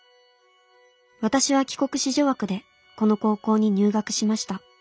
私は帰国子女枠でこの高校に入学しました。